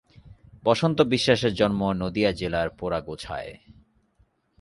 বসন্ত বিশ্বাসের জন্ম নদিয়া জেলার পোড়াগাছায়।